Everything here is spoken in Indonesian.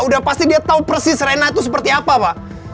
udah pasti dia tahu persis rena itu seperti apa pak